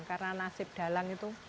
karena nasib dalang itu